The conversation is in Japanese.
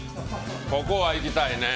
ここは行きたいね！